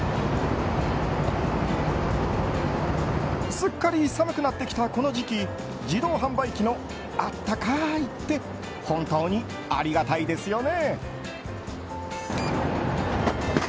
すっかり寒くなってきたこの時期自動販売機のあったかいって本当にありがたいですよね。